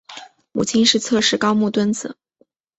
母亲是侧室高木敦子。